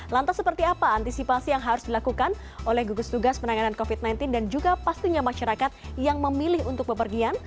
lantas seperti apa antisipasi yang harus dilakukan oleh gugus tugas penanganan covid sembilan belas dan juga pastinya masyarakat yang memilih untuk bepergian